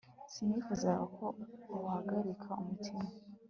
sinifuzaga ko uhagarika umutima